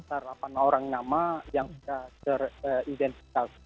sekitar delapan orang nama yang sudah teridentifikasi